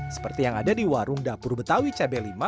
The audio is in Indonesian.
seperti yang ada di warung dapur betawi cabai lima